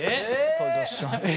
登場します。